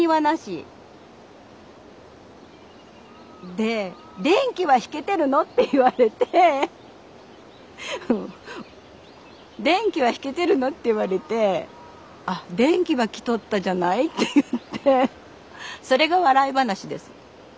で「電気は引けてるの？」って言われて「電気は引けてるの？」って言われて「あっ電気はきとったじゃない」って言ってそれが笑い話です。